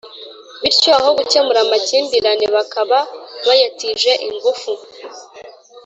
bityo aho gukemura amakimbirane bakaba bayatije ingufu